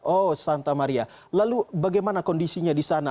oh santa maria lalu bagaimana kondisinya di sana